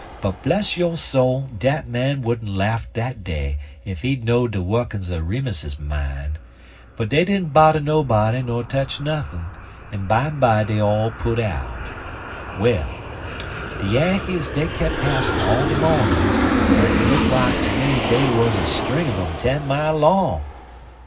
"But, bless yo' soul, dat man wouldn't never laft dat day ef he'd know'd de wukkins er Remus's mine. But dey didn't bodder nobody ner tech nuthin', en bimeby dey put out. Well, de Yankees, dey kep' passin' all de mawnin' en it look like ter me dey wuz a string un um ten mile long.